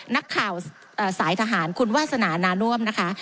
นักข่าวสายทหารคุณวาสนานาน่วมนะคะ